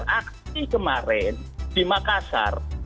jadi kemarin di makassar